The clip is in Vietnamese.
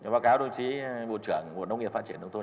báo cáo đồng chí bộ trưởng bộ nông nghiệp phát triển nông thôn